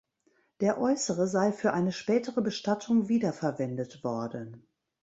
Der Äußere sei für eine spätere Bestattung wiederverwendet worden.